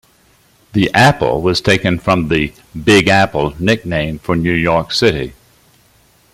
The apple was taken from the "Big Apple" nickname for New York City.